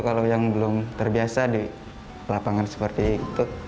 kalau yang belum terbiasa di lapangan seperti itu